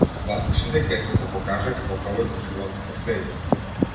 Пластичните кеси се покажаа како проблем за животната средина.